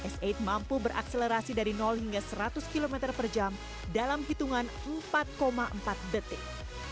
s delapan mampu berakselerasi dari hingga seratus km per jam dalam hitungan empat empat detik